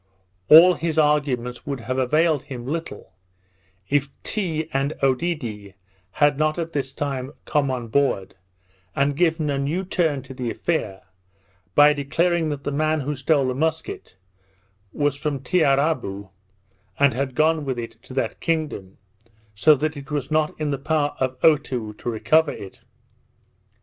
All his arguments would have availed him little, if Tee and Oedidee had not at this time come on board, and given a new turn to the affair, by declaring that the man who stole the musket was from Tiarabou, and had gone with it to that kingdom, so that it was not in the power of Otoo to recover it.